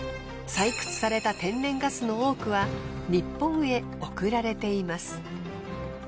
採掘された天然ガスの多くは日本へ送られています。